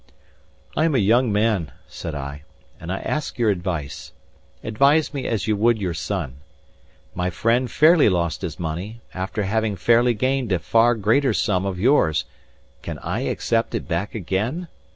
"I am a young man," said I, "and I ask your advice. Advise me as you would your son. My friend fairly lost his money, after having fairly gained a far greater sum of yours; can I accept it back again?